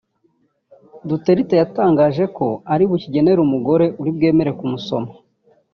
Duterte yatangaje ko ari bukigenere umugore uri bwemere kumusoma